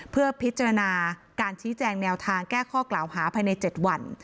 เพื่อพิจารณาการชี้แจงแนวทางแก้ข้อกล่าวหาภายใน๗วัน